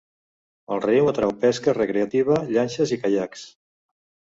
El riu atrau pesca recreativa, llanxes i caiacs.